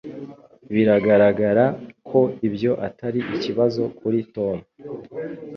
Biragaragara ko ibyo atari ikibazo kuri Tom